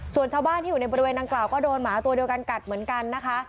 ส่วนชาวบ้านที่อยู่ในบริเวณดังกล่าวก็โดนหมาตัวเดียวกันกัดเหมือนกันนะคะ